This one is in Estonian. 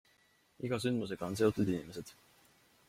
Iga sündmusega on seotud inimesed.